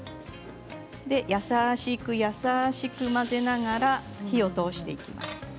それで優しく優しく混ぜながら火を通していきます。